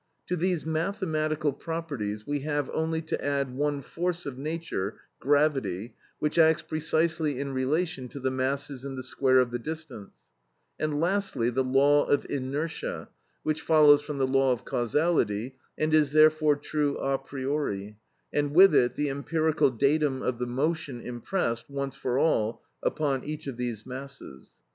To these mathematical properties we have only to add one force of nature, gravity, which acts precisely in relation to the masses and the square of the distance; and, lastly, the law of inertia, which follows from the law of causality and is therefore true a priori, and with it the empirical datum of the motion impressed, once for all, upon each of these masses.